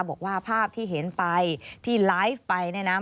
บอกว่าภาพที่เห็นไปที่ไลฟ์ไปเนี่ยนะ